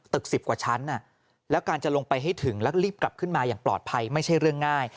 ๑๐กว่าชั้นแล้วการจะลงไปให้ถึงแล้วรีบกลับขึ้นมาอย่างปลอดภัยไม่ใช่เรื่องง่าย